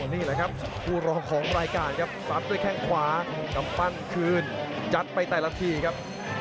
นี่แหละครับคู่รองของรายการครับซัดด้วยแข้งขวากำปั้นคืนจัดไปแต่ละทีครับ